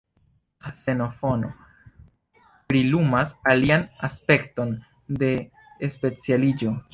Ksenofono prilumas alian aspekton de specialiĝo.